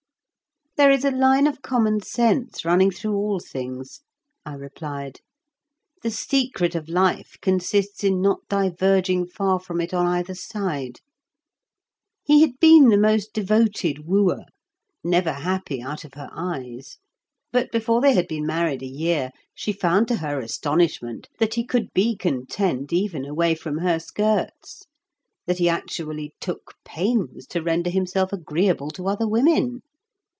"There is a line of common sense running through all things," I replied; "the secret of life consists in not diverging far from it on either side. He had been the most devoted wooer, never happy out of her eyes; but before they had been married a year she found to her astonishment that he could be content even away from her skirts, that he actually took pains to render himself agreeable to other women.